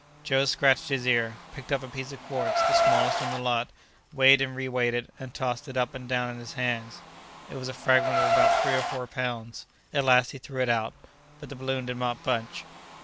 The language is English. Joe scratched his ear, picked up a piece of quartz, the smallest in the lot, weighed and reweighed it, and tossed it up and down in his hand. It was a fragment of about three or four pounds. At last he threw it out. But the balloon did not budge.